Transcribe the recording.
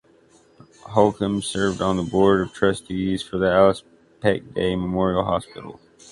Holcombe served on the board of trustees for the Alice Peck Day Memorial Hospital.